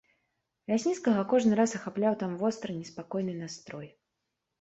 Лясніцкага кожны раз ахапляў там востры неспакойны настрой.